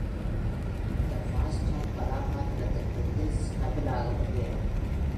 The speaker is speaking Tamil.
The Falstaff கதாபாத்திரத்திற்கு கில்ஸ் ஹபிபுலா என்று பெயர்.